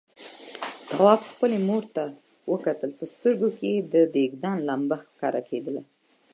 تواب خپلې مور ته وکتل، په سترګوکې يې د دېګدان لمبه ښکارېدله.